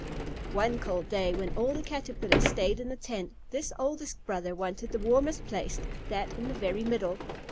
One cold day, when all the Caterpillars stayed in the tent, this oldest brother wanted the warmest place, that in the very middle.